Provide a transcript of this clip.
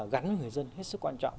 gắn với người dân hết sức quan trọng